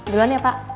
duluan ya pak